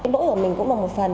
đỗi của mình cũng là một phần